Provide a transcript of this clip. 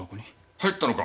入ったのか？